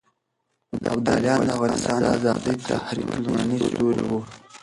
ابداليان د افغانستان د ازادۍ د تحريک لومړني ستوري وو.